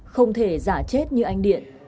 không thể giả chết như anh điện